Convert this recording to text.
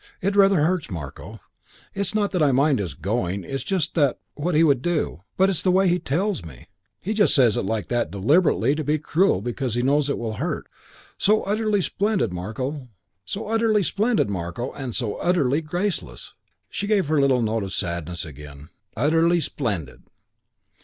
"It rather hurts, Marko. It's not that I mind his going. It's just what he would do. But it's the way he tells me. He just says it like that deliberately to be cruel because he knows it will hurt. So utterly splendid, Marko, and so utterly graceless." She gave her little note of sadness again. "Utterly splendid!